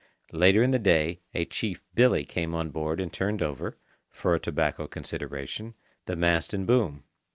Later in the day, a Chief Billy came on board and turned over, for a tobacco consideration, the mast and boom.